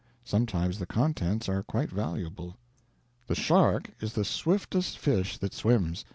Sometimes the contents are quite valuable. The shark is the swiftest fish that swims.